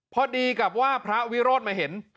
พอดีกับว่าพระวิโรธมาเห็น